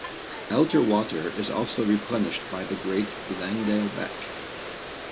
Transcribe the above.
Elter Water is also replenished by the Great Langdale Beck.